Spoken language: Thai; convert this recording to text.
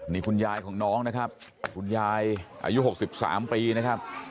นี่คุณยายของน้องนะครับคุณยายอายุ๖๓ปีนะครับ